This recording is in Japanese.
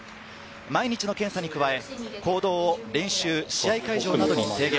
毎日の検査に加え、行動を練習、試合会場などに制限。